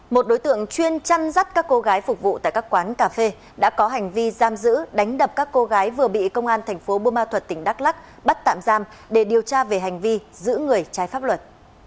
một đối tượng chuyên chăn rắt các cô gái phục vụ tại các quán cà phê đã có hành vi giam giữ đánh đập các cô gái vừa bị công an thành phố bô ma thuật tỉnh đắk lắc bắt tạm giam để điều tra về hành vi giữ người trái pháp luật